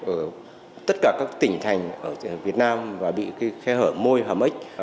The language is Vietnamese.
ở tất cả các tỉnh thành ở việt nam và bị cái khe hở môi hầm ếch